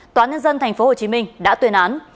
tòa nhân dân tp hcm đã tuyên án